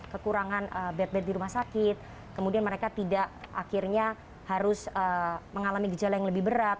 kekurangan bed bed di rumah sakit kemudian mereka tidak akhirnya harus mengalami gejala yang lebih berat